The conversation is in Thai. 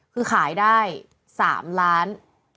คือขายได้๓๕๐๐๐๐๐บาท